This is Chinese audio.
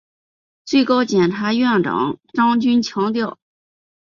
最高检检察长张军强调